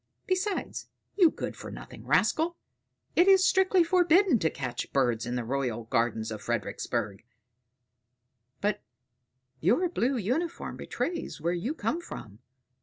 Besides, you good for nothing rascal, it is strictly forbidden to catch birds in the royal gardens of Fredericksburg; but your blue uniform betrays where you come from."